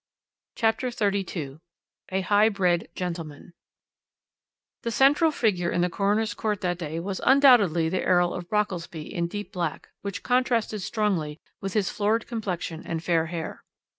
CHAPTER XXXII A HIGH BRED GENTLEMAN "The central figure in the coroner's court that day was undoubtedly the Earl of Brockelsby in deep black, which contrasted strongly with his florid complexion and fair hair.